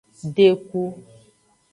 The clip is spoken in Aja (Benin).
Deku.